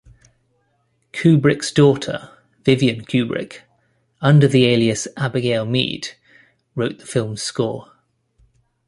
Kubrick's daughter, Vivian Kubrick, under the alias "Abigail Mead", wrote the film's score.